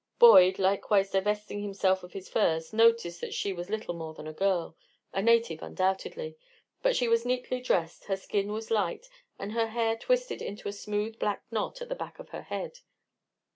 Boyd, likewise divesting himself of his furs, noticed that she was little more than a girl a native, undoubtedly; but she was neatly dressed, her skin was light, and her hair twisted into a smooth black knot at the back of her head.